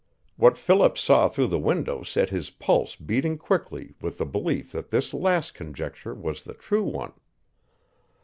What Philip saw through the window set his pulse beating quickly with the belief that this last conjecture was the true one.